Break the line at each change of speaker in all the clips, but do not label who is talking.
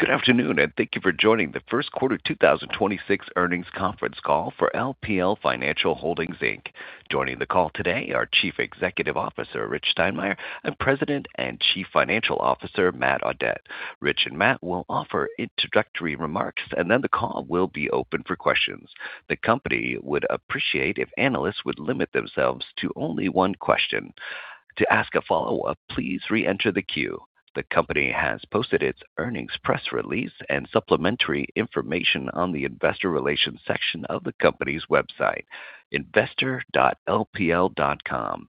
Good afternoon, and thank you for joining the Q1 2026 earnings conference call for LPL Financial Holdings Inc. Joining the call today are Chief Executive Officer Rich Steinmeier and President and Chief Financial Officer Matt Audette. Rich and Matt will offer introductory remarks, and then the call will be open for questions. The company would appreciate if analysts would limit themselves to only one question. To ask a follow-up, please re-enter the queue. The company has posted its earnings press release and supplementary information on the investor relations section of the company's website, investor.lpl.com.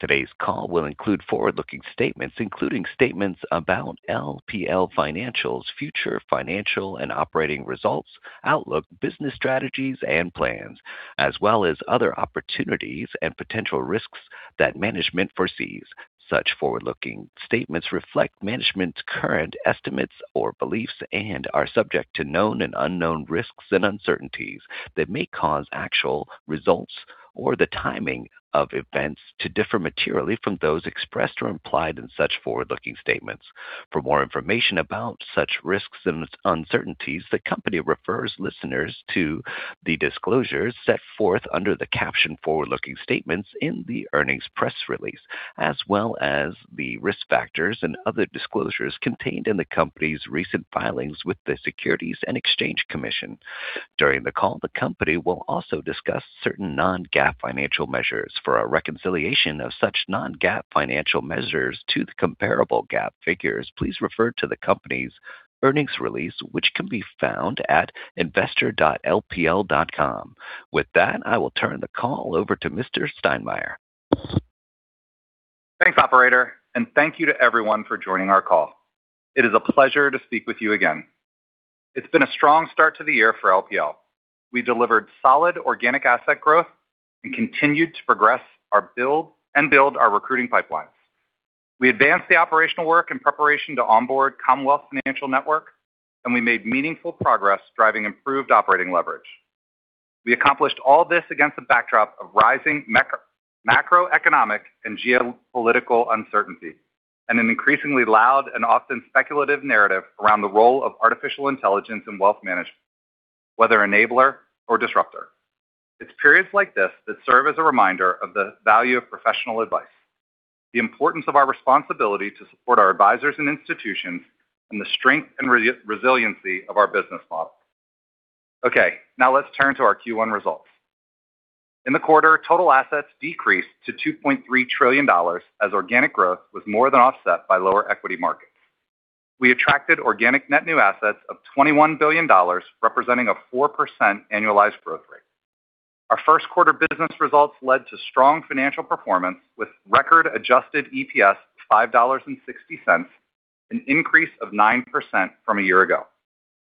Today's call will include forward-looking statements, including statements about LPL Financial's future financial and operating results, outlook, business strategies and plans, as well as other opportunities and potential risks that management foresees. Such forward-looking statements reflect management's current estimates or beliefs and are subject to known and unknown risks and uncertainties that may cause actual results or the timing of events to differ materially from those expressed or implied in such forward-looking statements. For more information about such risks and uncertainties, the company refers listeners to the disclosures set forth under the caption Forward-Looking Statements in the earnings press release, as well as the risk factors and other disclosures contained in the company's recent filings with the Securities and Exchange Commission. During the call, the company will also discuss certain non-GAAP financial measures. For a reconciliation of such non-GAAP financial measures to the comparable GAAP figures, please refer to the company's earnings release, which can be found at investor.lpl.com. With that, I will turn the call over to Mr. Steinmeier.
Thanks, operator, and thank you to everyone for joining our call. It is a pleasure to speak with you again. It's been a strong start to the year for LPL. We delivered solid organic asset growth and continued to progress and build our recruiting pipelines. We advanced the operational work in preparation to onboard Commonwealth Financial Network, and we made meaningful progress driving improved operating leverage. We accomplished all this against the backdrop of rising macroeconomic and geopolitical uncertainty, and an increasingly loud and often speculative narrative around the role of artificial intelligence in wealth management, whether enabler or disruptor. It's periods like this that serve as a reminder of the value of professional advice, the importance of our responsibility to support our advisors and institutions, and the strength and resiliency of our business model. Okay, now let's turn to our Q1 results. In the quarter, total assets decreased to $2.3 trillion, as organic growth was more than offset by lower equity markets. We attracted organic net new assets of $21 billion, representing a 4% annualized growth rate. Our Q1 business results led to strong financial performance, with record adjusted EPS of $5.60, an increase of 9% from a year ago.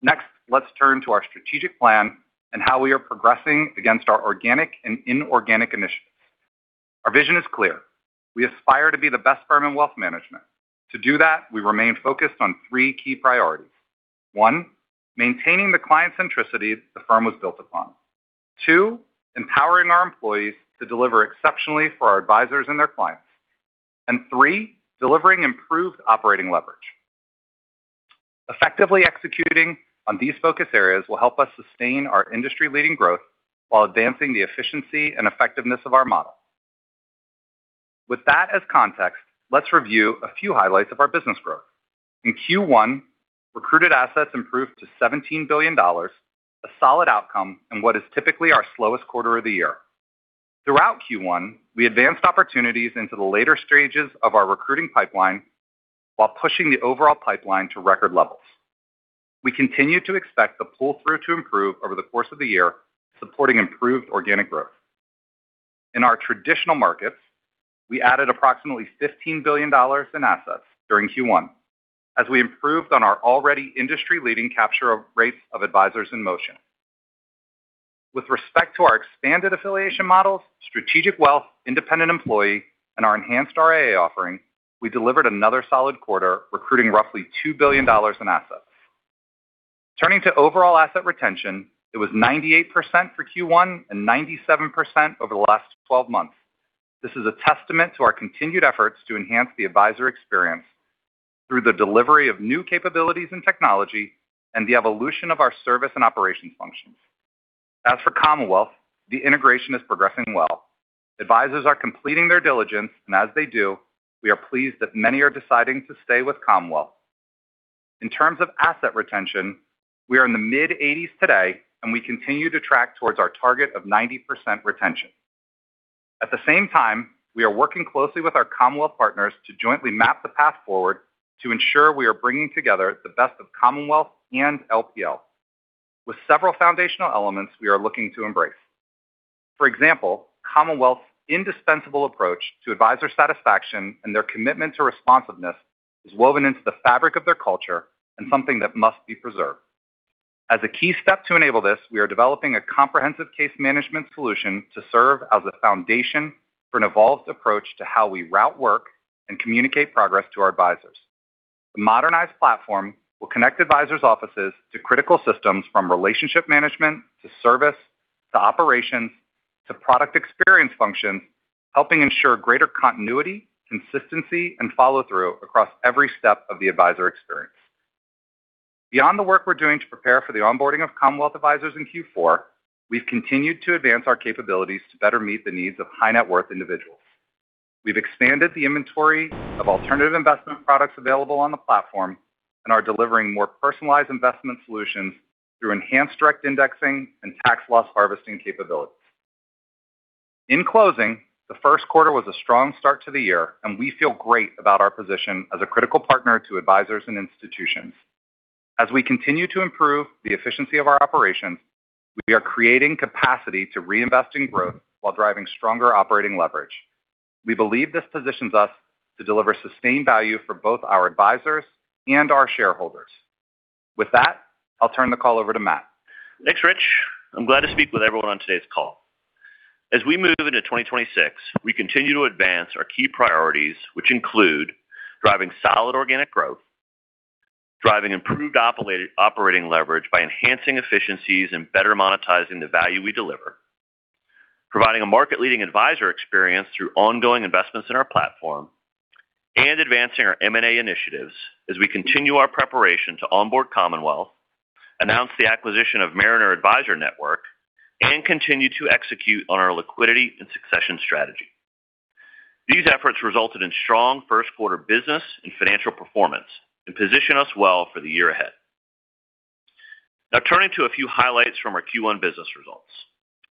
Next, let's turn to our strategic plan and how we are progressing against our organic and inorganic initiatives. Our vision is clear. We aspire to be the best firm in wealth management. To do that, we remain focused on three key priorities. One, maintaining the client centricity the firm was built upon. Two, empowering our employees to deliver exceptionally for our advisors and their clients. Three, delivering improved operating leverage. Effectively executing on these focus areas will help us sustain our industry-leading growth while advancing the efficiency and effectiveness of our model. With that as context, let's review a few highlights of our business growth. In Q1, recruited assets improved to $17 billion, a solid outcome in what is typically our slowest quarter of the year. Throughout Q1, we advanced opportunities into the later stages of our recruiting pipeline while pushing the overall pipeline to record levels. We continue to expect the pull-through to improve over the course of the year, supporting improved organic growth. In our traditional markets, we added approximately $15 billion in assets during Q1 as we improved on our already industry-leading capture of rates of advisors in motion. With respect to our expanded affiliation models, Strategic Wealth Services, independent employee advisor model, and our enhanced RIA offering, we delivered another solid quarter, recruiting roughly $2 billion in assets. Turning to overall asset retention, it was 98% for Q1 and 97% over the last 12 months. This is a testament to our continued efforts to enhance the advisor experience through the delivery of new capabilities and technology and the evolution of our service and operations functions. As for Commonwealth, the integration is progressing well. Advisors are completing their diligence, and as they do, we are pleased that many are deciding to stay with Commonwealth. In terms of asset retention, we are in the mid-80s today, and we continue to track towards our target of 90% retention. At the same time, we are working closely with our Commonwealth partners to jointly map the path forward to ensure we are bringing together the best of Commonwealth and LPL with several foundational elements we are looking to embrace. For example, Commonwealth's indispensable approach to advisor satisfaction and their commitment to responsiveness is woven into the fabric of their culture and something that must be preserved. As a key step to enable this, we are developing a comprehensive case management solution to serve as a foundation for an evolved approach to how we route work and communicate progress to our advisors. The modernized platform will connect advisors' offices to critical systems from relationship management to service to operations, the product experience function helping ensure greater continuity, consistency, and follow-through across every step of the advisor experience. Beyond the work we're doing to prepare for the onboarding of Commonwealth Advisors in Q4, we've continued to advance our capabilities to better meet the needs of high-net-worth individuals. We've expanded the inventory of alternative investment products available on the platform and are delivering more personalized investment solutions through enhanced direct indexing and tax loss harvesting capabilities. In closing, the Q1 was a strong start to the year, and we feel great about our position as a critical partner to advisors and institutions. As we continue to improve the efficiency of our operations, we are creating capacity to reinvest in growth while driving stronger operating leverage. We believe this positions us to deliver sustained value for both our advisors and our shareholders. With that, I'll turn the call over to Matt.
Thanks, Rich. I'm glad to speak with everyone on today's call. As we move into 2026, we continue to advance our key priorities, which include driving solid organic growth, driving improved operating leverage by enhancing efficiencies and better monetizing the value we deliver, providing a market-leading advisor experience through ongoing investments in our platform, and advancing our M&A initiatives as we continue our preparation to onboard Commonwealth, announce the acquisition of Mariner Advisor Network, and continue to execute on our liquidity and succession strategy. These efforts resulted in strong Q1 business and financial performance and position us well for the year ahead. Now turning to a few highlights from our Q1 business results.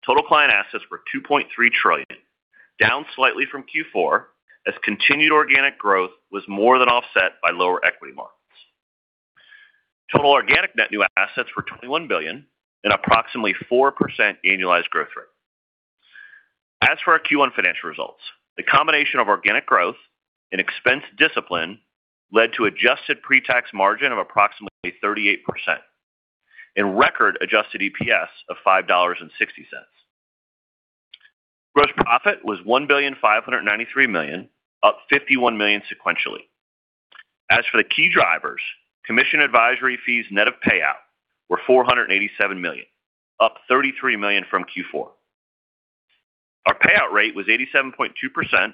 Total client assets were $2.3 trillion, down slightly from Q4, as continued organic growth was more than offset by lower equity markets. Total organic net new assets were $21 billion and approximately 4% annualized growth rate. As for our Q1 financial results, the combination of organic growth and expense discipline led to adjusted pre-tax margin of approximately 38% and record adjusted EPS of $5.60. Gross profit was $1,593 million, up $51 million sequentially. As for the key drivers, commission advisory fees net of payout were $487 million, up $33 million from Q4. Our payout rate was 87.2%,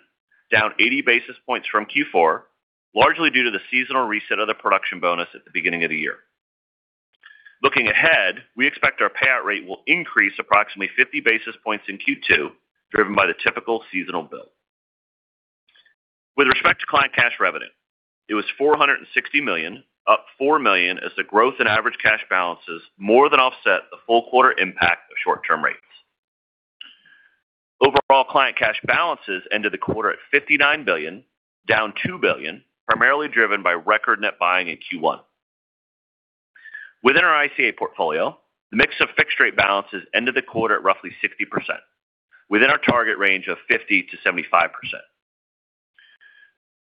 down 80 basis points from Q4, largely due to the seasonal reset of the production bonus at the beginning of the year. Looking ahead, we expect our payout rate will increase approximately 50 basis points in Q2, driven by the typical seasonal build. With respect to client cash revenue, it was $460 million, up $4 million as the growth in average cash balances more than offset the full quarter impact of short-term rates. Overall client cash balances ended the quarter at $59 billion, down $2 billion, primarily driven by record net buying in Q1. Within our ICA portfolio, the mix of fixed-rate balances ended the quarter at roughly 60% within our target range of 50%-75%.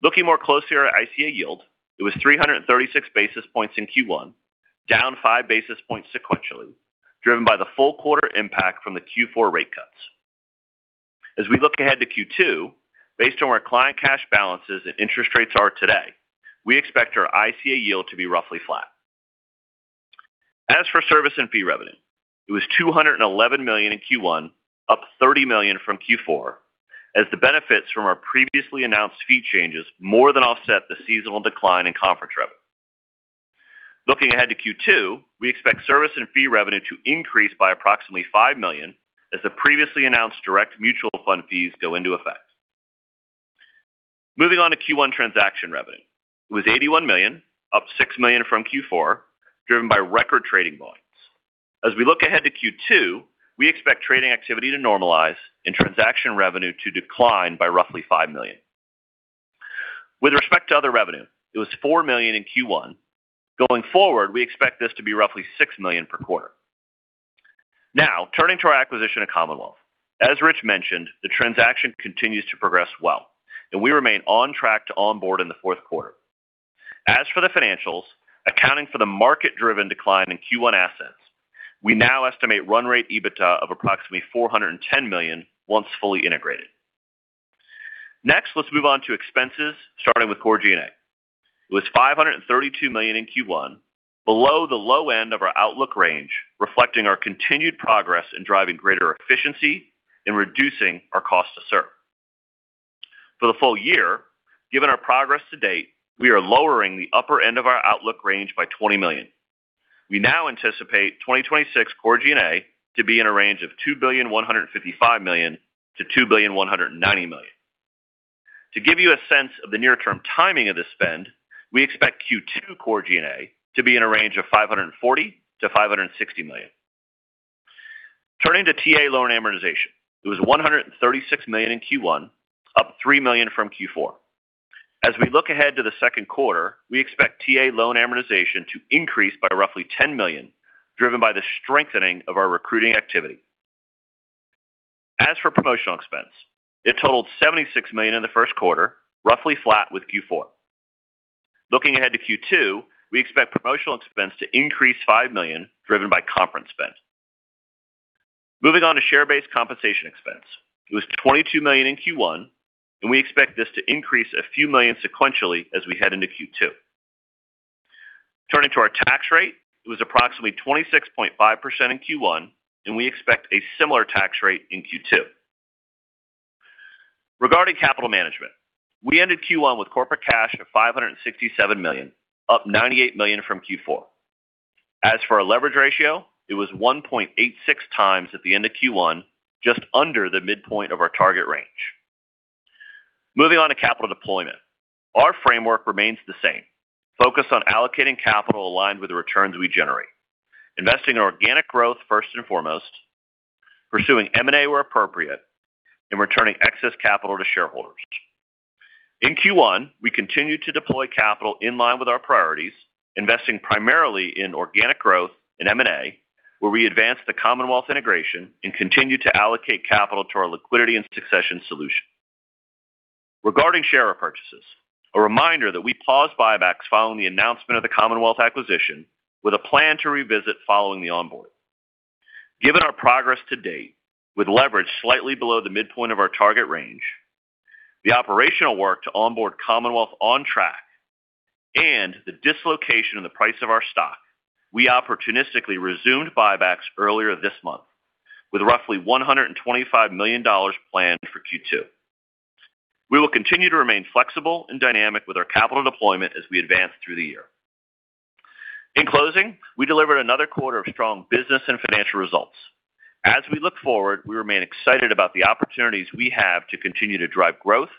Looking more closely at our ICA yield, it was 336 basis points in Q1, down 5 basis points sequentially, driven by the full quarter impact from the Q4 rate cuts. As we look ahead to Q2, based on where client cash balances and interest rates are today, we expect our ICA yield to be roughly flat. As for service and fee revenue, it was $211 million in Q1, up $30 million from Q4, as the benefits from our previously announced fee changes more than offset the seasonal decline in conference revenue. Looking ahead to Q2, we expect service and fee revenue to increase by approximately $5 million as the previously announced direct mutual fund fees go into effect. Moving on to Q1 transaction revenue. It was $81 million, up $6 million from Q4, driven by record trading volumes. As we look ahead to Q2, we expect trading activity to normalize and transaction revenue to decline by roughly $5 million. With respect to other revenue, it was $4 million in Q1. Going forward, we expect this to be roughly $6 million per quarter. Turning to our acquisition of Commonwealth. As Rich mentioned, the transaction continues to progress well, and we remain on track to onboard in the Q4. As for the financials, accounting for the market-driven decline in Q1 assets, we now estimate run rate EBITDA of approximately $410 million once fully integrated. Next, let's move on to expenses, starting with core G&A. It was $532 million in Q1, below the low end of our outlook range, reflecting our continued progress in driving greater efficiency and reducing our cost to serve. For the full year, given our progress to date, we are lowering the upper end of our outlook range by $20 million. We now anticipate 2026 core G&A to be in a range of $2.155 billion-$2.190 billion. To give you a sense of the near-term timing of the spend, we expect Q2 core G&A to be in a range of $540 million-$560 million. Turning to TA loan amortization. It was $136 million in Q1, up $3 million from Q4. As we look ahead to the Q2, we expect TA loan amortization to increase by roughly $10 million, driven by the strengthening of our recruiting activity. As for promotional expense, it totaled $76 million in the Q1, roughly flat with Q4. Looking ahead to Q2, we expect promotional expense to increase $5 million, driven by conference spend. Moving on to share-based compensation expense. It was $22 million in Q1, and we expect this to increase a few million sequentially as we head into Q2. Turning to our tax rate, it was approximately 26.5% in Q1, and we expect a similar tax rate in Q2. Regarding capital management, we ended Q1 with corporate cash of $567 million, up $98 million from Q4. As for our leverage ratio, it was 1.86 times at the end of Q1, just under the midpoint of our target range. Moving on to capital deployment. Our framework remains the same. Focus on allocating capital aligned with the returns we generate. Investing in organic growth first and foremost, pursuing M&A where appropriate, and returning excess capital to shareholders. In Q1, we continued to deploy capital in line with our priorities, investing primarily in organic growth in M&A, where we advanced the Commonwealth integration and continued to allocate capital to our Liquidity & Succession solution. Regarding share repurchases, a reminder that we paused buybacks following the announcement of the Commonwealth acquisition with a plan to revisit following the onboard. Given our progress to date, with leverage slightly below the midpoint of our target range, the operational work to onboard Commonwealth on track, and the dislocation in the price of our stock, we opportunistically resumed buybacks earlier this month with roughly $125 million planned for Q2. We will continue to remain flexible and dynamic with our capital deployment as we advance through the year. In closing, we delivered another quarter of strong business and financial results. As we look forward, we remain excited about the opportunities we have to continue to drive growth,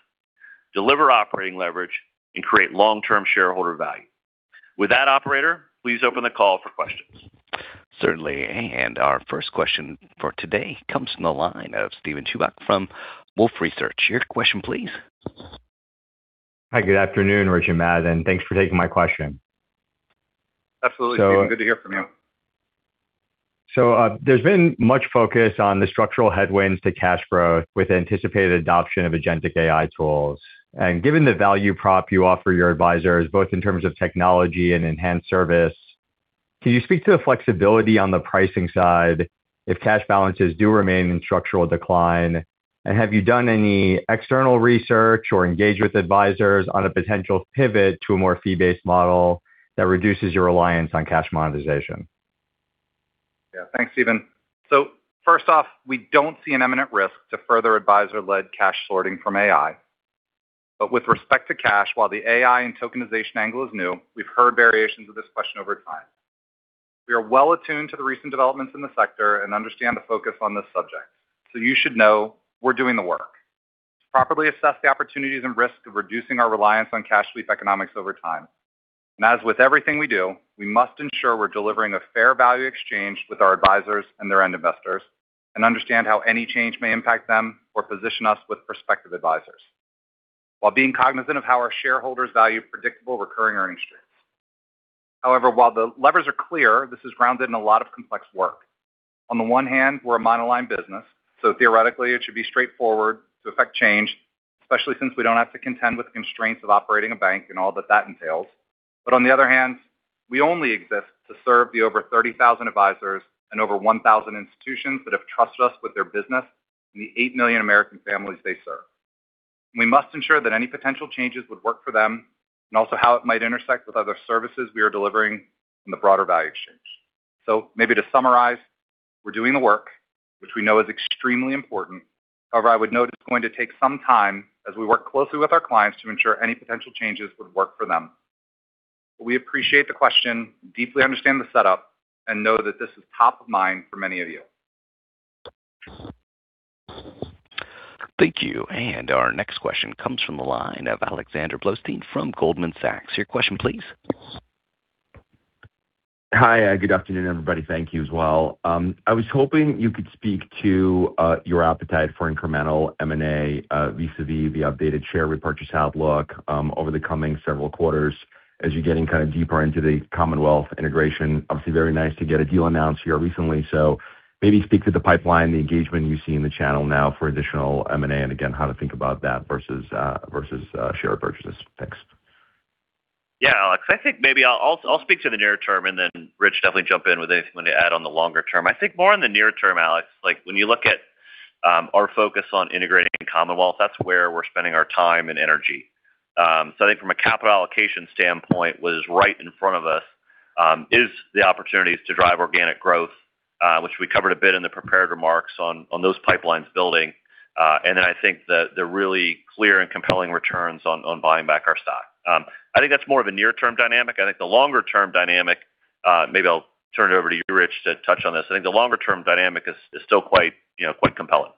deliver operating leverage, and create long-term shareholder value. With that, operator, please open the call for questions.
Certainly. Our first question for today comes from the line of Steven Chubak from Wolfe Research. Your question, please.
Hi. Good afternoon, Rich and Matt, and thanks for taking my question.
Absolutely, Steven. Good to hear from you.
There's been much focus on the structural headwinds to cash growth with anticipated adoption of agentic AI tools. Given the value prop you offer your advisors, both in terms of technology and enhanced service, can you speak to the flexibility on the pricing side if cash balances do remain in structural decline? Have you done any external research or engaged with advisors on a potential pivot to a more fee-based model that reduces your reliance on cash monetization?
Yeah. Thanks, Steven. First off, we don't see an imminent risk to further advisor-led cash sorting from AI. With respect to cash, while the AI and tokenization angle is new, we've heard variations of this question over time. We are well attuned to the recent developments in the sector and understand the focus on this subject, so you should know we're doing the work to properly assess the opportunities and risks of reducing our reliance on cash sweep economics over time. As with everything we do, we must ensure we're delivering a fair value exchange with our advisors and their end investors and understand how any change may impact them or position us with prospective advisors while being cognizant of how our shareholders value predictable recurring earning streams. However, while the levers are clear, this is grounded in a lot of complex work. On the one hand, we're a monoline business, so theoretically it should be straightforward to affect change, especially since we don't have to contend with the constraints of operating a bank and all that that entails. On the other hand, we only exist to serve the over 30,000 advisors and over 1,000 institutions that have trusted us with their business and the 8 million American families they serve. We must ensure that any potential changes would work for them and also how it might intersect with other services we are delivering in the broader value exchange. Maybe to summarize, we're doing the work, which we know is extremely important. However, I would note it's going to take some time as we work closely with our clients to ensure any potential changes would work for them. We appreciate the question, deeply understand the setup, and know that this is top of mind for many of you.
Thank you. Our next question comes from the line of Alex Blostein from Goldman Sachs. Your question, please.
Hi. Good afternoon, everybody. Thank you as well. I was hoping you could speak to your appetite for incremental M&A vis-a-vis the updated share repurchase outlook over the coming several quarters as you're getting kind of deeper into the Commonwealth integration. Obviously, very nice to get a deal announced here recently. Maybe speak to the pipeline, the engagement you see in the channel now for additional M&A, and again, how to think about that versus share purchases. Thanks.
Yeah, Alex. I think maybe I'll speak to the near term, then Rich definitely jump in with anything you want to add on the longer term. I think more in the near term, Alex, like when you look at our focus on integrating Commonwealth, that's where we're spending our time and energy. I think from a capital allocation standpoint, what is right in front of us is the opportunities to drive organic growth, which we covered a bit in the prepared remarks on those pipelines building. Then I think the really clear and compelling returns on buying back our stock. I think that's more of a near-term dynamic. I think the longer-term dynamic, maybe I'll turn it over to you, Rich, to touch on this. I think the longer-term dynamic is still quite, you know, quite compelling.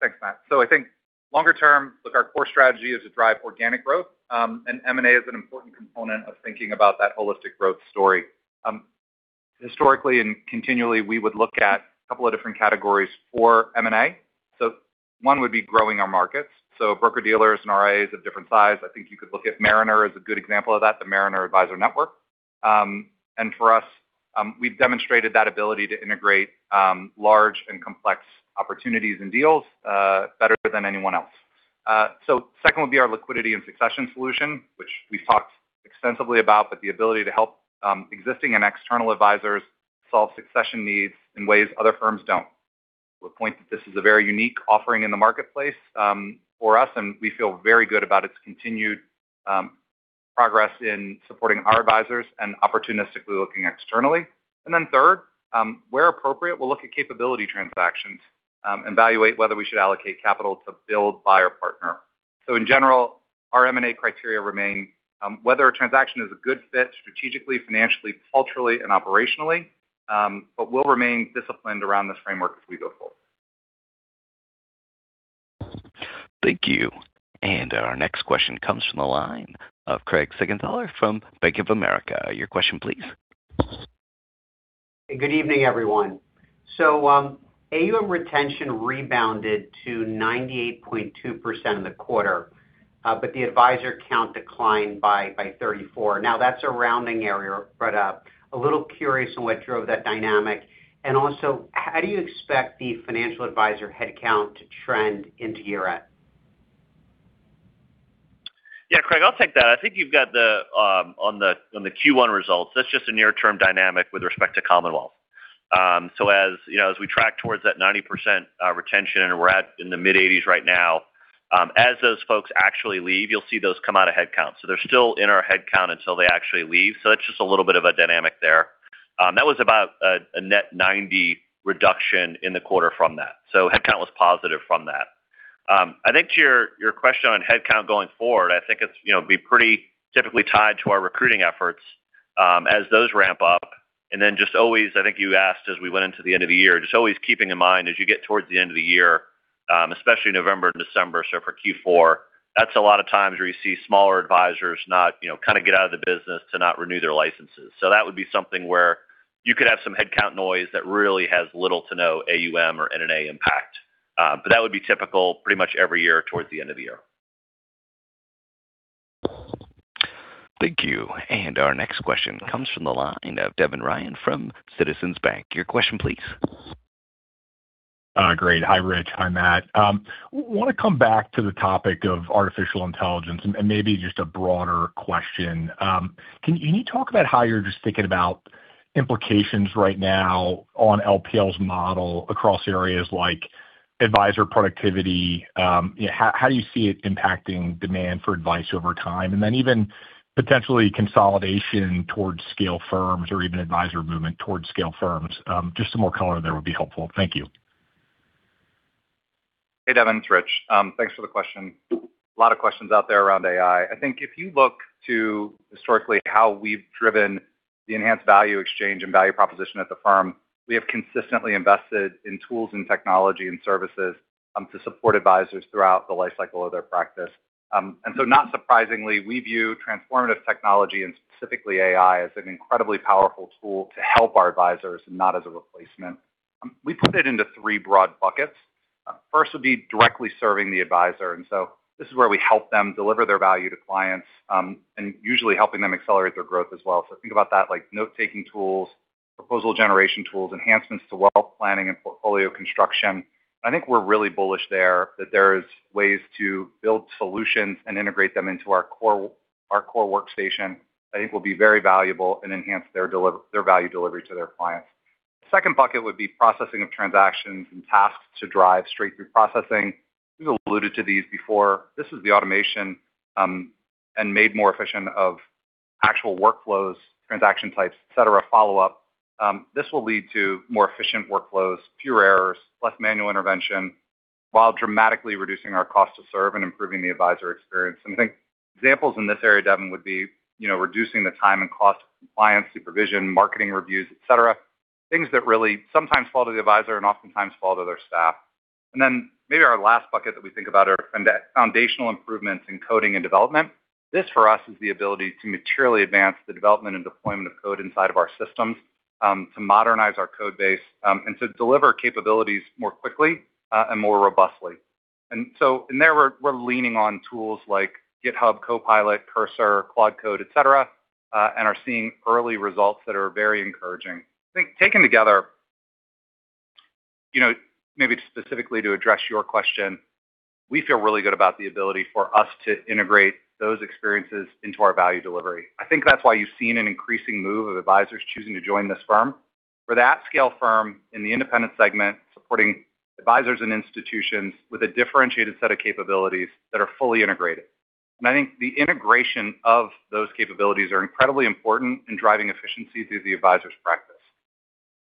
Thanks, Matt. I think longer term, look, our core strategy is to drive organic growth. M&A is an important component of thinking about that holistic growth story. Historically and continually, we would look at a couple of different categories for M&A. One would be growing our markets. Broker-dealers and RIAs of different size. I think you could look at Mariner as a good example of that, the Mariner Advisor Network. For us, we've demonstrated that ability to integrate large and complex opportunities and deals better than anyone else. Second would be our Liquidity & Succession solution, which we've talked extensively about, but the ability to help existing and external advisors solve succession needs in ways other firms don't. The point that this is a very unique offering in the marketplace, for us, and we feel very good about its continued progress in supporting our advisors and opportunistically looking externally. Third, where appropriate, we'll look at capability transactions, evaluate whether we should allocate capital to build, buy or partner. In general, our M&A criteria remain, whether a transaction is a good fit strategically, financially, culturally, and operationally, but we'll remain disciplined around this framework as we go forward.
Thank you. Our next question comes from the line of Craig Siegenthaler from Bank of America. Your question, please.
Good evening, everyone. AUM retention rebounded to 98.2% in the quarter, but the advisor count declined by 34. That's a rounding area, but a little curious on what drove that dynamic. How do you expect the financial advisor head count to trend into year-end?
Yeah, Craig, I'll take that. I think you've got on the Q1 results. That's just a near-term dynamic with respect to Commonwealth. As, you know, as we track towards that 90% retention, we're at in the mid-80s right now. As those folks actually leave, you'll see those come out of head count. They're still in our head count until they actually leave. That's just a little bit of a dynamic there. That was about a net 90 reduction in the quarter from that. Head count was positive from that. I think to your question on head count going forward, I think it's, you know, be pretty typically tied to our recruiting efforts as those ramp up. Just always, I think you asked as we went into the end of the year, just always keeping in mind as you get towards the end of the year, especially November and December, so for Q4, that's a lot of times where you see smaller advisors not, you know, kind of get out of the business to not renew their licenses. That would be something where you could have some head count noise that really has little to no AUM or NNA impact. That would be typical pretty much every year towards the end of the year.
Thank you. Our next question comes from the line of Devin Ryan from Citizens Bank. Your question, please.
Great. Hi, Rich. Hi, Matt. Wanna come back to the topic of artificial intelligence and maybe just a broader question. Can you talk about how you're just thinking about implications right now on LPL's model across areas like advisor productivity? How do you see it impacting demand for advice over time, even potentially consolidation towards scale firms or even advisor movement towards scale firms? Just some more color there would be helpful. Thank you.
Hey, Devin. It's Rich. Thanks for the question. A lot of questions out there around AI. I think if you look to historically how we've driven the enhanced value exchange and value proposition at the firm, we have consistently invested in tools and technology and services to support advisors throughout the life cycle of their practice. Not surprisingly, we view transformative technology, and specifically AI, as an incredibly powerful tool to help our advisors, not as a replacement. We put it into three broad buckets. First would be directly serving the advisor. This is where we help them deliver their value to clients, and usually helping them accelerate their growth as well. Think about that, like note-taking tools, proposal generation tools, enhancements to wealth planning and portfolio construction. I think we're really bullish there, that there's ways to build solutions and integrate them into our core, our core workstation. I think will be very valuable and enhance their value delivery to their clients. Second bucket would be processing of transactions and tasks to drive straight-through processing. We've alluded to these before. This is the automation and made more efficient of actual workflows, transaction types, et cetera, follow-up. This will lead to more efficient workflows, fewer errors, less manual intervention, while dramatically reducing our cost to serve and improving the advisor experience. I think examples in this area, Devin, would be, you know, reducing the time and cost of compliance, supervision, marketing reviews, et cetera. Things that really sometimes fall to the advisor and oftentimes fall to their staff. Maybe our last bucket that we think about are foundational improvements in coding and development. This, for us, is the ability to materially advance the development and deployment of code inside of our systems, to modernize our code base, and to deliver capabilities more quickly and more robustly. In there, we're leaning on tools like GitHub Copilot, Cursor, Cloud Code, et cetera, and are seeing early results that are very encouraging. I think taken together, you know, maybe specifically to address your question, we feel really good about the ability for us to integrate those experiences into our value delivery. I think that's why you've seen an increasing move of advisors choosing to join this firm. We're that scale firm in the independent segment, supporting advisors and institutions with a differentiated set of capabilities that are fully integrated. I think the integration of those capabilities are incredibly important in driving efficiency through the advisor's practice.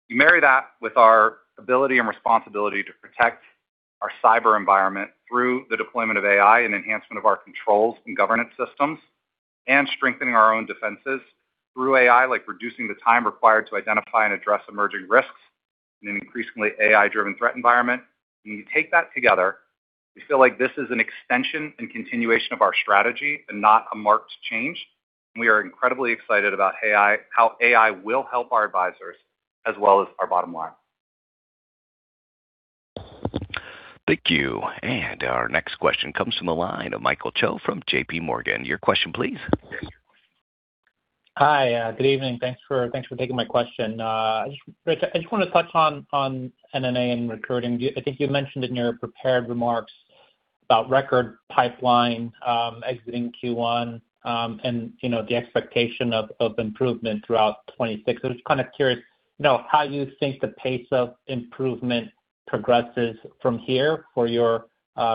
You marry that with our ability and responsibility to protect our cyber environment through the deployment of AI and enhancement of our controls and governance systems, and strengthening our own defenses through AI, like reducing the time required to identify and address emerging risks in an increasingly AI-driven threat environment. When you take that together, we feel like this is an extension and continuation of our strategy and not a marked change. We are incredibly excited about how AI will help our advisors as well as our bottom line.
Thank you. Our next question comes from the line of Michael Cho from JPMorgan. Your question, please.
Hi, good evening. Thanks for taking my question. Rich, I just wanna touch on NNA and recruiting. I think you mentioned in your prepared remarks about record pipeline exiting Q1, and, you know, the expectation of improvement throughout 2026. I was kind of curious, you know, how you think the pace of improvement progresses from here for your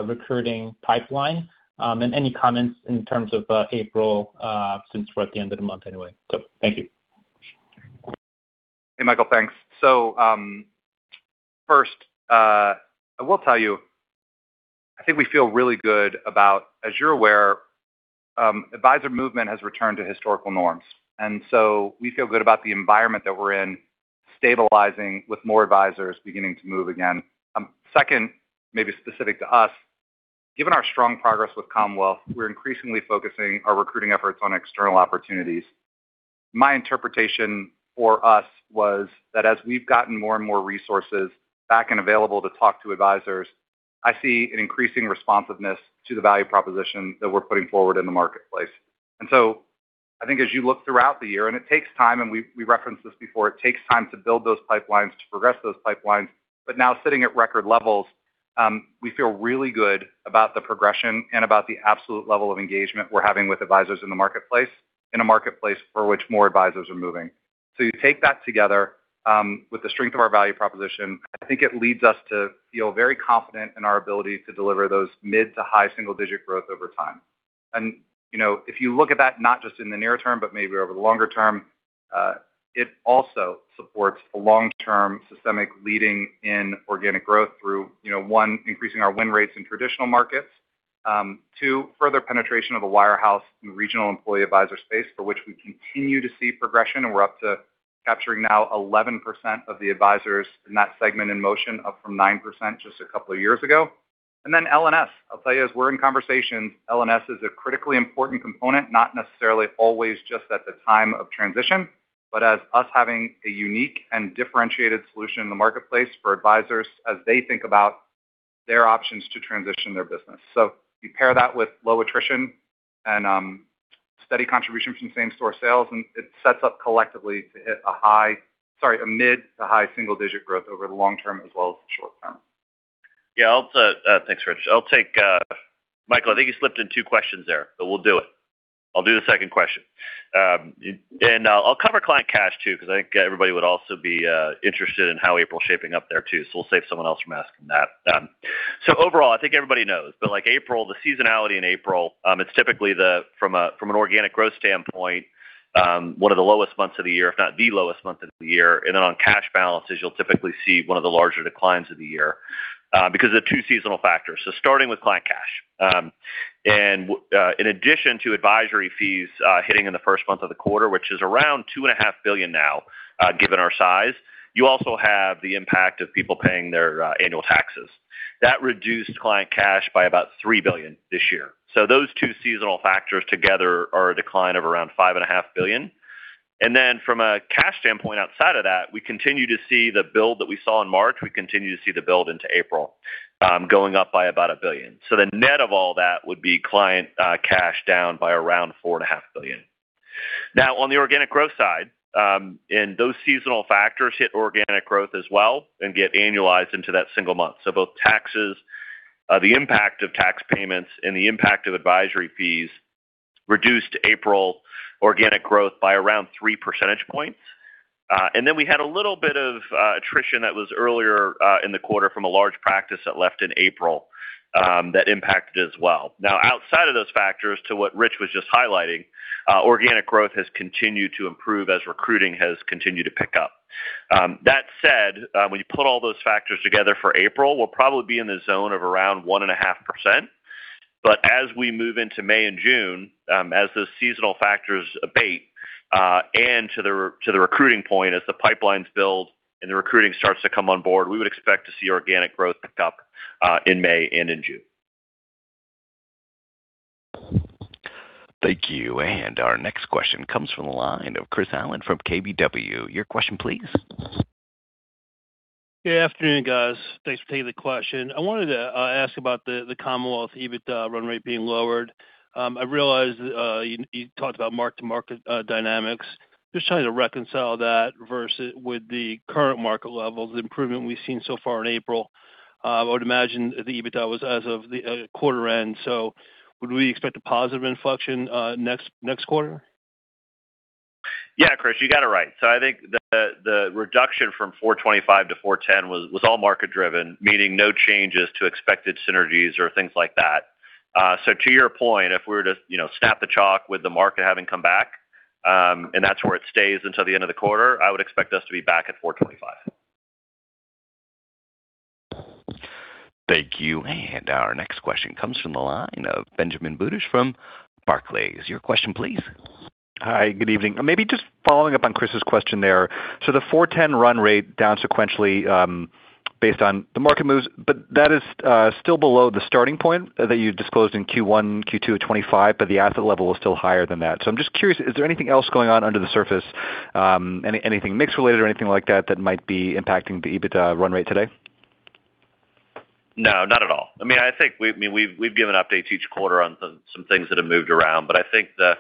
recruiting pipeline, and any comments in terms of April, since we're at the end of the month anyway. Thank you.
Hey, Michael, thanks. First, I will tell you, I think we feel really good about as you're aware, advisor movement has returned to historical norms. We feel good about the environment that we're in stabilizing with more advisors beginning to move again. Second, maybe specific to us, given our strong progress with Commonwealth, we're increasingly focusing our recruiting efforts on external opportunities. My interpretation for us was that as we've gotten more and more resources back and available to talk to advisors, I see an increasing responsiveness to the value proposition that we're putting forward in the marketplace. I think as you look throughout the year, and it takes time, and we referenced this before. It takes time to build those pipelines, to progress those pipelines. Now sitting at record levels, we feel really good about the progression and about the absolute level of engagement we're having with advisors in the marketplace, in a marketplace for which more advisors are moving. You take that together, with the strength of our value proposition. I think it leads us to feel very confident in our ability to deliver those mid to high single-digit growth over time. You know, if you look at that, not just in the near term, but maybe over the longer term, it also supports a long-term systemic leading in organic growth through, you know, 1, increasing our win rates in traditional markets. 2, further penetration of the wirehouse and regional employee advisor space for which we continue to see progression. We're up to capturing now 11% of the advisors in that segment in motion, up from 9% just a couple of years ago. LNS. I'll tell you, as we're in conversations, LNS is a critically important component, not necessarily always just at the time of transition, but as us having a unique and differentiated solution in the marketplace for advisors as they think about their options to transition their business. You pair that with low attrition and steady contribution from same store sales, and it sets up collectively to hit a mid-to-high single-digit growth over the long term as well as the short term.
Yeah. I'll Thanks, Rich. I'll take Michael, I think you slipped in 2 questions there, but we'll do it. I'll do the second question. I'll cover client cash too, because I think everybody would also be interested in how April's shaping up there too. We'll save someone else from asking that. Overall, I think everybody knows, but like April, the seasonality in April, it's typically from an organic growth standpoint, one of the lowest months of the year, if not the lowest month of the year. On cash balances, you'll typically see 1 of the larger declines of the year, because of the two seasonal factors. Starting with client cash, in addition to advisory fees, hitting in the first month of the quarter, which is around $2.5 billion now, given our size, you also have the impact of people paying their annual taxes. That reduced client cash by about $3 billion this year. Those two seasonal factors together are a decline of around $5.5 billion. From a cash standpoint, outside of that, we continue to see the build that we saw in March. We continue to see the build into April, going up by about $1 billion. The net of all that would be client cash down by around $4.5 billion. On the organic growth side, those seasonal factors hit organic growth as well and get annualized into that single month. Both taxes, the impact of tax payments and the impact of advisory fees reduced April organic growth by around 3 percentage points. We had a little bit of attrition that was earlier in the quarter from a large practice that left in April that impacted as well. Outside of those factors to what Rich was just highlighting, organic growth has continued to improve as recruiting has continued to pick up. That said, when you put all those factors together for April, we'll probably be in the zone of around 1.5%. As we move into May and June, as the seasonal factors abate, and to the recruiting point, as the pipelines build and the recruiting starts to come on board, we would expect to see organic growth pick up, in May and in June.
Thank you. Our next question comes from the line of Chris Allen from KBW. Your question, please.
Yeah, afternoon, guys. Thanks for taking the question. I wanted to ask about the Commonwealth EBIT run rate being lowered. I realize you talked about mark to market dynamics, just trying to reconcile that versus with the current market levels, the improvement we've seen so far in April. I would imagine the EBITDA was as of the quarter end. Would we expect a positive inflection next quarter?
Yeah, Chris, you got it right. I think the reduction from $425 to $410 was all market driven, meaning no changes to expected synergies or things like that. To your point, if we were to, you know, snap the chalk with the market having come back, and that's where it stays until the end of the quarter, I would expect us to be back at $425.
Thank you. Our next question comes from the line of Benjamin Budish from Barclays. Your question, please.
Hi, good evening. Maybe just following up on Chris's question there. The 410 run rate down sequentially, based on the market moves, but that is still below the starting point that you disclosed in Q1, Q2 of 2025, but the asset level was still higher than that. I'm just curious, is there anything else going on under the surface, anything mix related or anything like that might be impacting the EBITDA run rate today?
No, not at all. I mean, we've given updates each quarter on some things that have moved around, but I think the.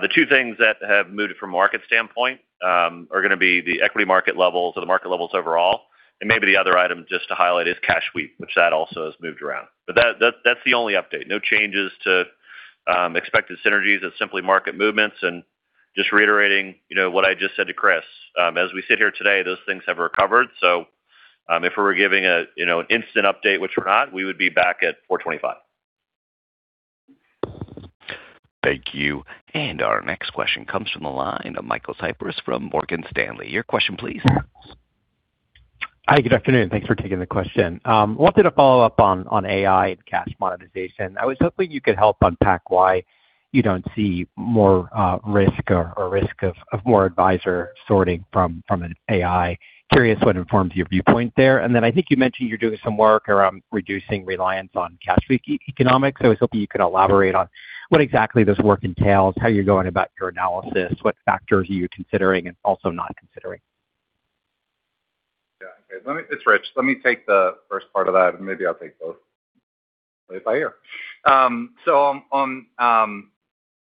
The two things that have moved from market standpoint are gonna be the equity market levels or the market levels overall. Maybe the other item just to highlight is cash sweep, which that also has moved around. That's the only update. No changes to expected synergies. It's simply market movements and just reiterating, you know, what I just said to Chris. As we sit here today, those things have recovered. If we were giving a, you know, an instant update, which we're not, we would be back at $4.25.
Thank you. Our next question comes from the line of Michael Cyprys from Morgan Stanley. Your question please.
Hi, good afternoon. Thanks for taking the question. I wanted to follow up on AI and cash monetization. I was hoping you could help unpack why you don't see more risk or risk of more advisor sorting from an AI. I am curious what informs your viewpoint there. I think you mentioned you're doing some work around reducing reliance on cash sweep economics. I was hoping you could elaborate on what exactly this work entails, how you're going about your analysis, what factors are you considering and also not considering.
Okay. It's Rich. Let me take the first part of that, and maybe I'll take both if I hear.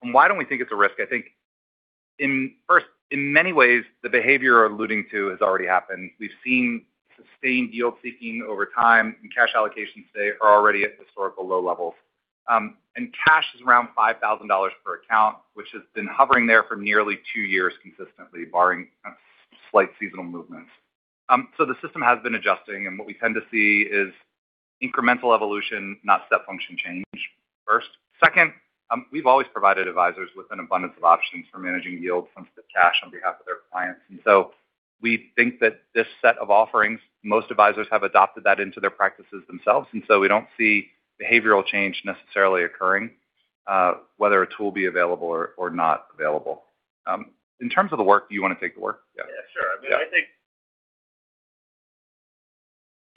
On why don't we think it's a risk. I think in first, in many ways, the behavior we're alluding to has already happened. We've seen sustained yield seeking over time, cash allocations today are already at historical low levels. Cash is around $5,000 per account, which has been hovering there for nearly two years consistently, barring kind of slight seasonal movements. The system has been adjusting, and what we tend to see is incremental evolution, not step function change first. Second, we've always provided advisors with an abundance of options for managing yield since the cash on behalf of their clients. We think that this set of offerings, most advisors have adopted that into their practices themselves. We don't see behavioral change necessarily occurring, whether a tool be available or not available. In terms of the work, do you wanna take the work? Yeah.
Yeah, sure. I mean, I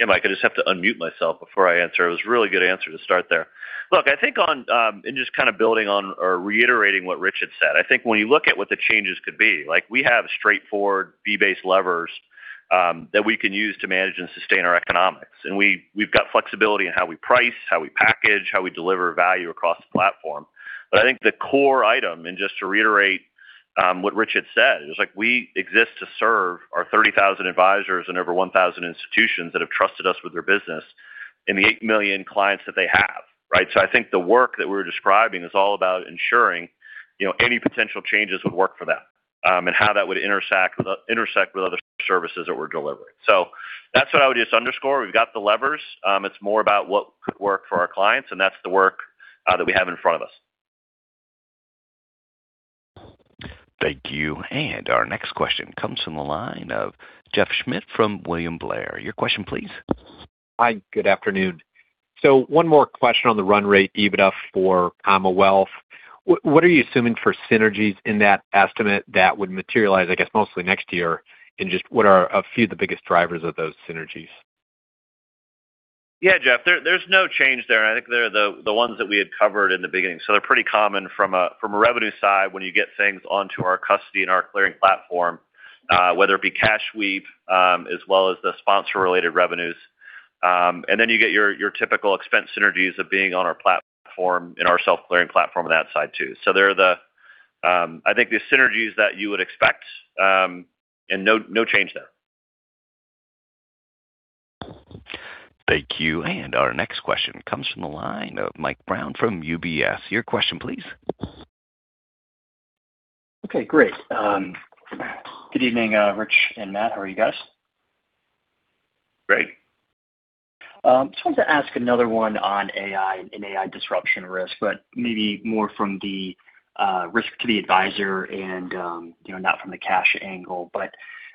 think. Yeah, Mike, I just have to unmute myself before I answer. It was a really good answer to start there. Look, I think on, and just kind of building on or reiterating what Rich had said, I think when you look at what the changes could be, like we have straightforward fee-based levers that we can use to manage and sustain our economics. We've got flexibility in how we price, how we package, how we deliver value across the platform. I think the core item, and just to reiterate, what Rich had said, is like we exist to serve our 30,000 advisors and over 1,000 institutions that have trusted us with their business and the 8 million clients that they have, right? I think the work that we're describing is all about ensuring, you know, any potential changes would work for them, and how that would intersect with other services that we're delivering. That's what I would just underscore. We've got the levers. It's more about what could work for our clients, and that's the work that we have in front of us.
Thank you. Our next question comes from the line of Jeff Schmitt from William Blair. Your question please.
Hi, good afternoon. One more question on the run rate EBITDA for Commonwealth. What are you assuming for synergies in that estimate that would materialize, I guess, mostly next year? Just what are a few of the biggest drivers of those synergies?
Yeah, Jeff, there's no change there. I think they're the ones that we had covered in the beginning. They're pretty common from a revenue side when you get things onto our custody and our clearing platform, whether it be cash sweep, as well as the sponsor-related revenues. Then you get your typical expense synergies of being on our platform, in our self-clearing platform on that side too. They're the synergies that you would expect. No change there.
Thank you. Our next question comes from the line of Michael Brown from UBS. Your question please.
Okay, great. Good evening, Rich and Matt. How are you guys?
Great.
Just wanted to ask another one on AI and AI disruption risk, but maybe more from the risk to the advisor and, you know, not from the cash angle. I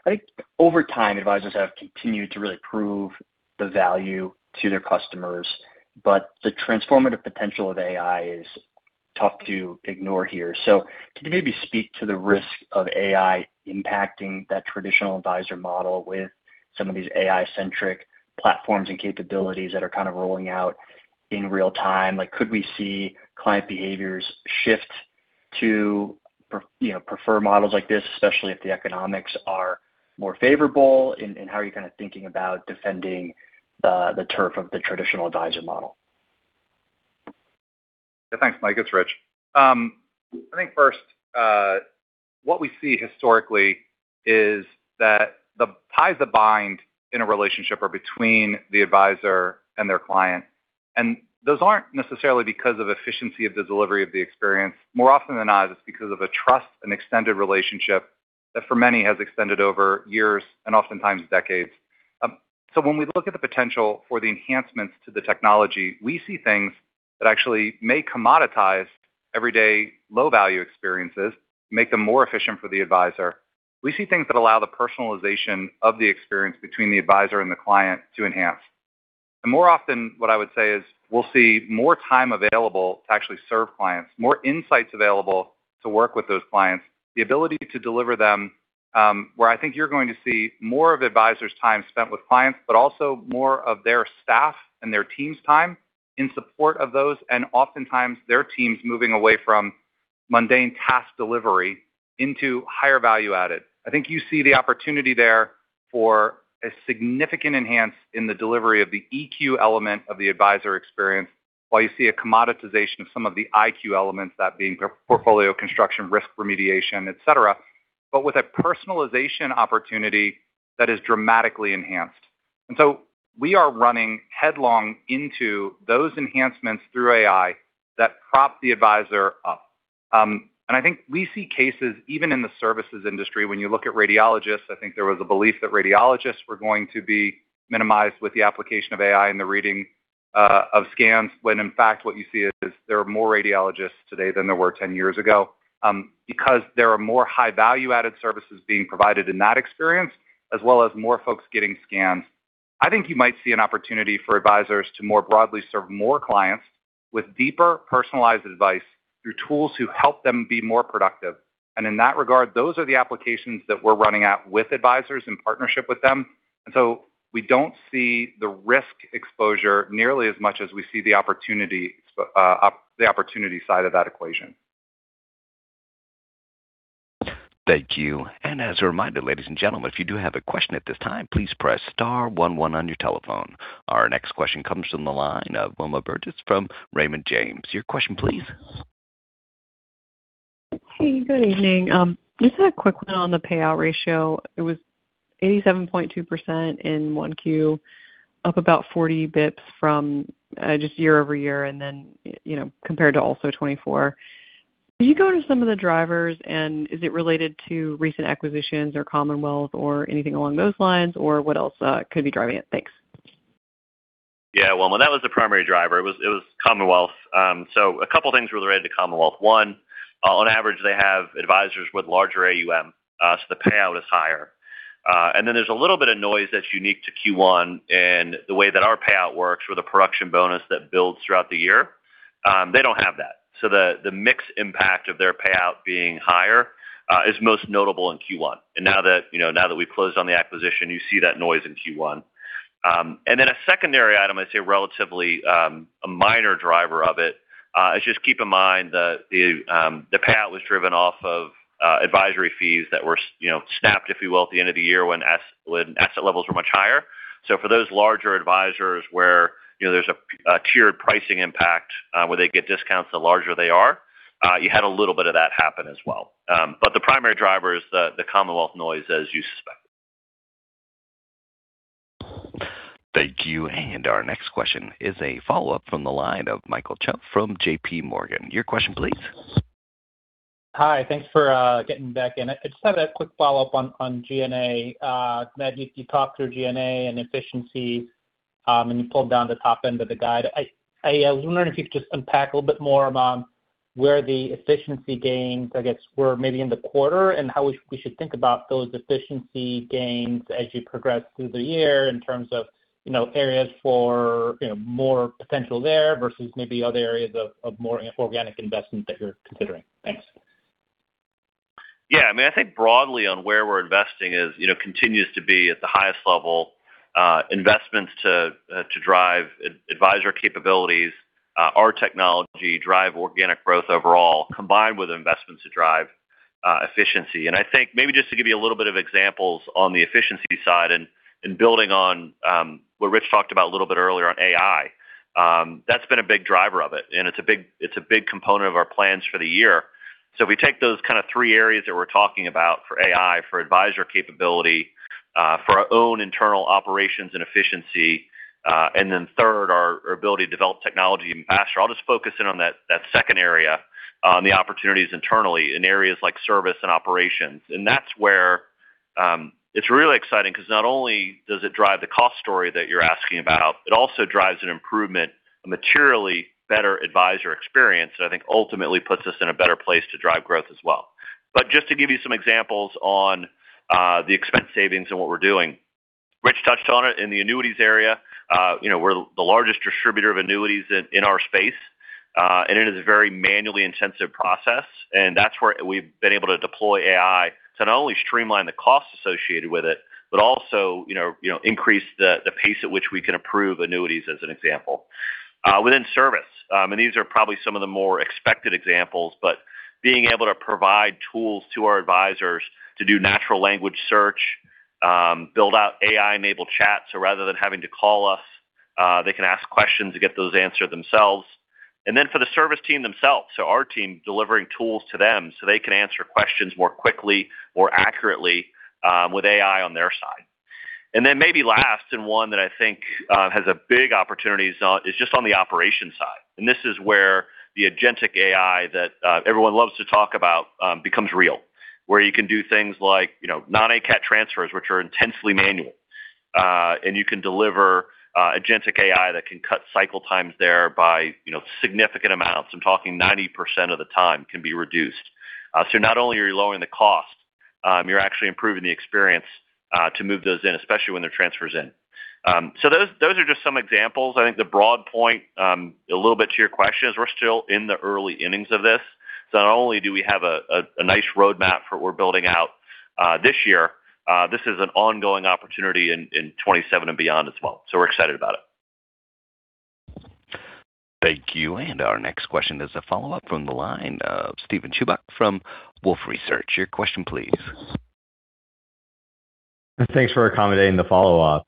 think over time, advisors have continued to really prove the value to their customers, but the transformative potential of AI is tough to ignore here. Could you maybe speak to the risk of AI impacting that traditional advisor model with some of these AI-centric platforms and capabilities that are kind of rolling out in real time? Like could we see client behaviors shift to you know, prefer models like this, especially if the economics are more favorable? How are you kind of thinking about defending the turf of the traditional advisor model?
Yeah. Thanks, Michael. It's Rich. I think first, what we see historically is that the ties that bind in a relationship are between the advisor and their client, and those aren't necessarily because of efficiency of the delivery of the experience. More often than not, it's because of a trust, an extended relationship that for many has extended over years and oftentimes decades. When we look at the potential for the enhancements to the technology, we see things that actually may commoditize everyday low-value experiences, make them more efficient for the advisor. We see things that allow the personalization of the experience between the advisor and the client to enhance. More often, what I would say is we'll see more time available to actually serve clients, more insights available to work with those clients, the ability to deliver them, where I think you're going to see more of advisors' time spent with clients, but also more of their staff and their team's time in support of those, and oftentimes their teams moving away from mundane task delivery into higher value-added. I think you see the opportunity there. For a significant enhance in the delivery of the EQ element of the advisor experience, while you see a commoditization of some of the IQ elements, that being portfolio construction, risk remediation, et cetera, but with a personalization opportunity that is dramatically enhanced. We are running headlong into those enhancements through AI that prop the advisor up. I think we see cases even in the services industry. When you look at radiologists, I think there was a belief that radiologists were going to be minimized with the application of AI in the reading of scans when in fact what you see is there are more radiologists today than there were 10 years ago because there are more high value-added services being provided in that experience, as well as more folks getting scans. I think you might see an opportunity for advisors to more broadly serve more clients with deeper personalized advice through tools to help them be more productive. In that regard, those are the applications that we're running at with advisors in partnership with them. We don't see the risk exposure nearly as much as we see the opportunity side of that equation.
Thank you. As a reminder, ladies and gentlemen, if you do have a question at this time, please press star one one on your telephone. Our next question comes from the line of Wilma Burgess from Raymond James. Your question please.
Hey, good evening. Just a quick one on the payout ratio. It was 87.2% in 1Q, up about 40 BPS from just year-over-year and then, you know, compared to also 2024. Can you go into some of the drivers, and is it related to recent acquisitions or Commonwealth or anything along those lines, or what else could be driving it? Thanks.
Yeah. Wilma, that was the primary driver. It was Commonwealth. A couple of things related to Commonwealth. One, on average, they have advisors with larger AUM, the payout is higher. There's a little bit of noise that's unique to Q1 in the way that our payout works with a production bonus that builds throughout the year. They don't have that. The mixed impact of their payout being higher is most notable in Q1. Now that, you know, now that we've closed on the acquisition, you see that noise in Q1. A secondary item, I'd say relatively, a minor driver of it, is just keep in mind the payout was driven off of advisory fees that were snapped, if you will, at the end of the year when asset levels were much higher. For those larger advisors where, you know, there's a tiered pricing impact, where they get discounts the larger they are, you had a little bit of that happen as well. The primary driver is the Commonwealth noise as you suspected.
Thank you. Our next question is a follow-up from the line of Michael Cho from J.P. Morgan. Your question, please.
Hi. Thanks for getting back in. I just had a quick follow-up on G&A. Matt, you talked through G&A and efficiency, and you pulled down the top end of the guide. I was wondering if you could just unpack a little bit more about where the efficiency gains, I guess, were maybe in the quarter and how we should think about those efficiency gains as you progress through the year in terms of, you know, areas for, you know, more potential there versus maybe other areas of more organic investment that you're considering. Thanks.
Yeah. I mean, I think broadly on where we're investing is, you know, continues to be at the highest level, investments to drive advisor capabilities, our technology, drive organic growth overall, combined with investments to drive efficiency. I think maybe just to give you a little bit of examples on the efficiency side and building on what Rich Steinmeier talked about a little bit earlier on AI, that's been a big driver of it, and it's a big component of our plans for the year. If we take those kind of 3 areas that we're talking about for AI, for advisor capability, for our own internal operations and efficiency, and then third, our ability to develop technology faster. I'll just focus in on that second area on the opportunities internally in areas like service and operations. That's where it's really exciting because not only does it drive the cost story that you're asking about, it also drives an improvement, a materially better advisor experience that I think ultimately puts us in a better place to drive growth as well. Just to give you some examples on the expense savings and what we're doing. Rich touched on it in the annuities area. You know, we're the largest distributor of annuities in our space, it is a very manually intensive process, that's where we've been able to deploy AI to not only streamline the costs associated with it, but also, you know, increase the pace at which we can approve annuities as an example. Within service, these are probably some of the more expected examples, being able to provide tools to our advisors to do natural language search, build out AI-enabled chat. Rather than having to call us, they can ask questions to get those answered themselves. For the service team themselves, our team delivering tools to them so they can answer questions more quickly, more accurately, with AI on their side. Maybe last, one that I think has a big opportunity is on the operations side. This is where the agentic AI that everyone loves to talk about becomes real. Where you can do things like, you know, non-ACAT transfers, which are intensely manual. You can deliver agentic AI that can cut cycle times there by, you know, significant amounts. I'm talking 90% of the time can be reduced. Not only are you lowering the cost, you're actually improving the experience to move those in, especially when they're transfers in. Those are just some examples. I think the broad point, a little bit to your question is we're still in the early innings of this. Not only do we have a nice roadmap for what we're building out this year, this is an ongoing opportunity in 2027 and beyond as well. We're excited about it.
Thank you. Our next question is a follow-up from the line of Steven Chubak from Wolfe Research. Your question please.
Thanks for accommodating the follow-up.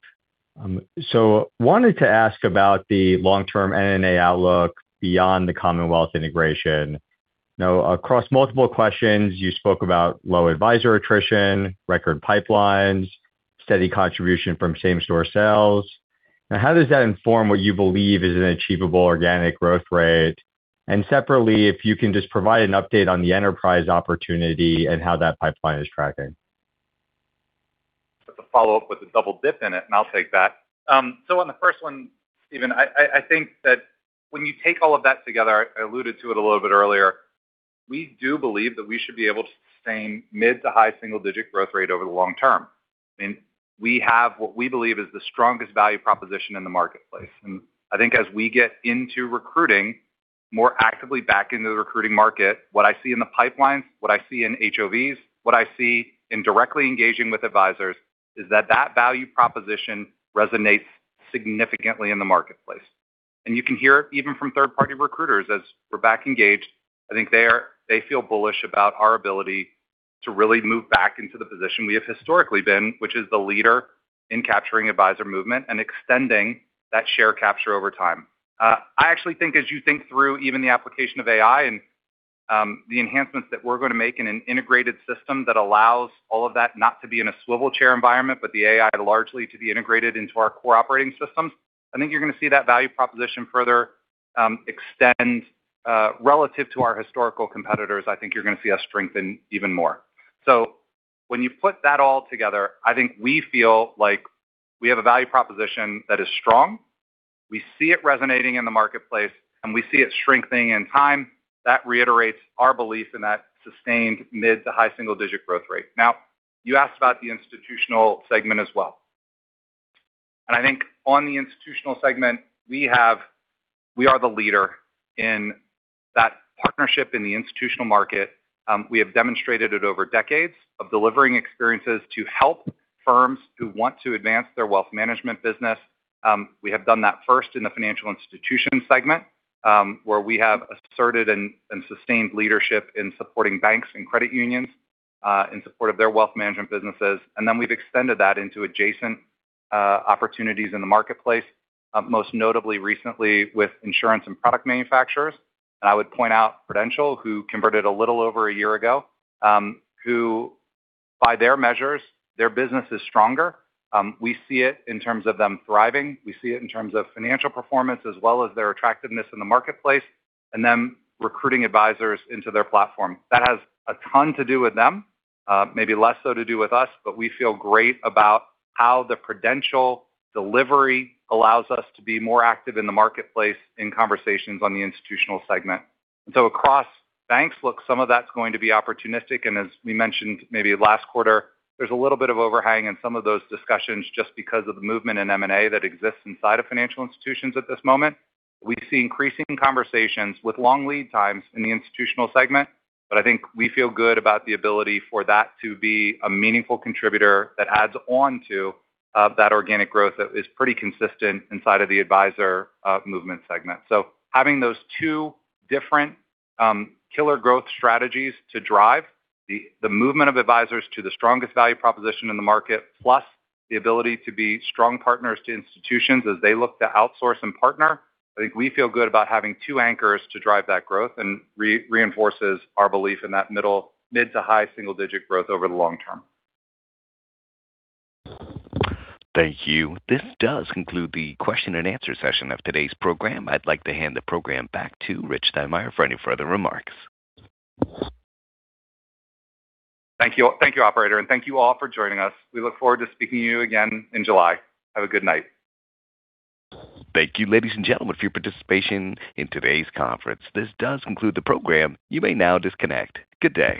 Wanted to ask about the long-term NNA outlook beyond the Commonwealth integration. Across multiple questions, you spoke about low advisor attrition, record pipelines, steady contribution from same store sales. How does that inform what you believe is an achievable organic growth rate? Separately, if you can just provide an update on the enterprise opportunity and how that pipeline is tracking.
That's a follow-up with a double dip in it, and I'll take that. On the first one, Steven, I think that when you take all of that together, I alluded to it a little bit earlier, we do believe that we should be able to sustain mid to high single-digit growth rate over the long term. I mean, we have what we believe is the strongest value proposition in the marketplace. I think as we get into recruiting more actively back into the recruiting market, what I see in the pipelines, what I see in HOVs, what I see in directly engaging with advisors is that that value proposition resonates significantly in the marketplace. You can hear it even from third-party recruiters as we're back engaged. I think they feel bullish about our ability to really move back into the position we have historically been, which is the leader in capturing advisor movement and extending that share capture over time. I actually think as you think through even the application of AI and the enhancements that we're going to make in an integrated system that allows all of that not to be in a swivel chair environment, but the AI largely to be integrated into our core operating systems, I think you're going to see that value proposition further extend relative to our historical competitors. I think you're going to see us strengthen even more. When you put that all together, I think we feel like we have a value proposition that is strong. We see it resonating in the marketplace, and we see it strengthening in time. That reiterates our belief in that sustained mid to high single-digit growth rate. You asked about the institutional segment as well. I think on the institutional segment we are the leader in that partnership in the institutional market. We have demonstrated it over decades of delivering experiences to help firms who want to advance their wealth management business. We have done that first in the financial institution segment, where we have asserted and sustained leadership in supporting banks and credit unions in support of their wealth management businesses. We've extended that into adjacent opportunities in the marketplace, most notably recently with insurance and product manufacturers. I would point out Prudential, who converted a little over a year ago, who by their measures their business is stronger. We see it in terms of them thriving. We see it in terms of financial performance as well as their attractiveness in the marketplace, and them recruiting advisors into their platform. That has a ton to do with them, maybe less so to do with us, but we feel great about how the Prudential delivery allows us to be more active in the marketplace in conversations on the institutional segment. Across banks, look, some of that's going to be opportunistic. As we mentioned maybe last quarter, there's a little bit of overhang in some of those discussions just because of the movement in M&A that exists inside of financial institutions at this moment. We see increasing conversations with long lead times in the institutional segment. I think we feel good about the ability for that to be a meaningful contributor that adds on to that organic growth that is pretty consistent inside of the advisor movement segment. Having those two different killer growth strategies to drive the movement of advisors to the strongest value proposition in the market, plus the ability to be strong partners to institutions as they look to outsource and partner, I think we feel good about having two anchors to drive that growth and reinforces our belief in that middle mid to high single digit growth over the long term.
Thank you. This does conclude the question and answer session of today's program. I'd like to hand the program back to Rich Steinmeier for any further remarks.
Thank you. Thank you, operator. Thank you all for joining us. We look forward to speaking to you again in July. Have a good night.
Thank you, ladies and gentlemen, for your participation in today's conference. This does conclude the program. You may now disconnect. Good day.